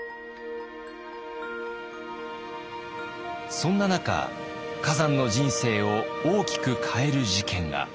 そんな中崋山の人生を大きく変える事件が。